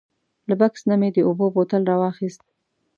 له بکس نه مې د اوبو بوتل راواخیست.